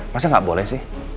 masih gak boleh sih